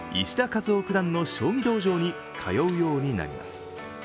和雄九段の将棋道場に通うようになります。